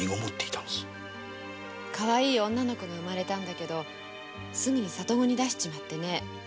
可愛い女の子が生まれたんだけどすぐに里子に出しちまってね。